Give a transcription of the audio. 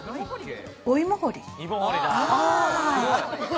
お芋掘り。